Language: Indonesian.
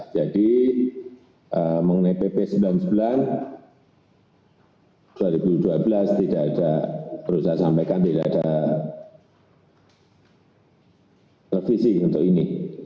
jadi mengenai pp sembilan puluh sembilan dua ribu dua belas tidak ada perlu saya sampaikan tidak ada revisi untuk ini